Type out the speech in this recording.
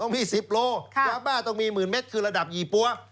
ต้องมีสิบโลค่ะยาวบ้าต้องมีหมื่นเม็ดคือระดับยี่ปั้ว